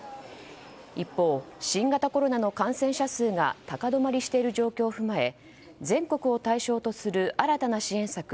一方、新型コロナの感染者数が高止まりしている状況を踏まえ全国を対象とする新たな支援策